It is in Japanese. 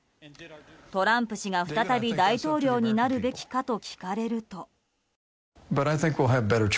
トランプ氏が再び大統領になるべきかと聞かれると。